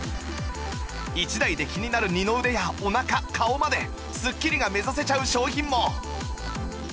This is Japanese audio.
１台で気になる二の腕やお腹顔まですっきりが目指せちゃう商品も